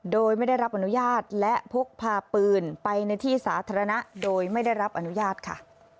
โดยไม่ได้รับอนุญาตและพกพาปืนไปในที่สาธารณะโดยไม่ได้รับอนุญาตค่ะ